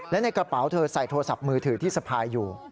และในกระเป๋าเธอใส่โทรศัพท์มือถือที่สะพายอยู่